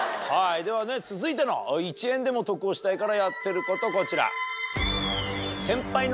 ではね続いての１円でも得をしたいからやってることこちら。